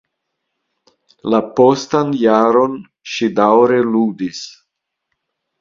La postan jaron, ŝi daŭre ludis.